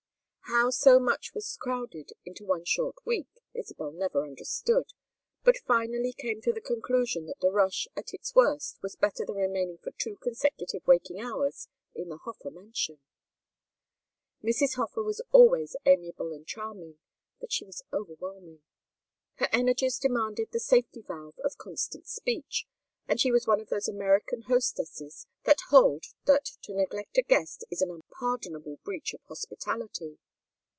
How so much was crowded into one short week Isabel never understood, but finally came to the conclusion that the rush at its worst was better than remaining for two consecutive waking hours in the Hofer mansion. Mrs. Hofer was always amiable and charming, but she was overwhelming. Her energies demanded the safety valve of constant speech, and she was one of those American hostesses that hold that to neglect a guest is an unpardonable breach of hospitality.